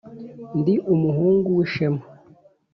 ndi umuhungu w'ishema.